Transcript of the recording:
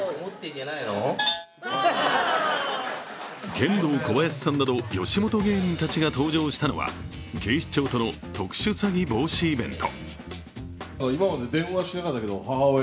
ケンドーコバヤシさんなど吉本芸人たちが登場したのは警視庁との特殊詐欺防止イベント。